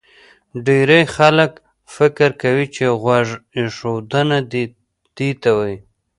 ډېری خلک فکر کوي چې غوږ ایښودنه دې ته وایي